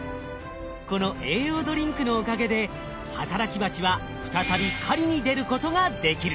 この栄養ドリンクのおかげで働きバチは再び狩りに出ることができる。